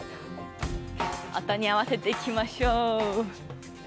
音に合わせていきましょう。